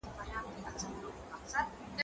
زه کولای سم موبایل کار کړم